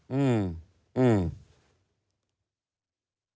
อืมอืม